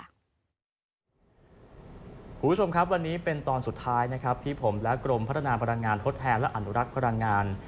คุณผู้ชมครับวันนี้เป็นตอนสุดท้ายนะครับที่ผมและกรมพัฒนาพลังงานทดแทนและอนุรักษ์พลังงาน